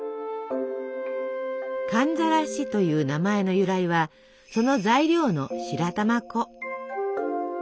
「寒ざらし」という名前の由来はその材料の白玉粉。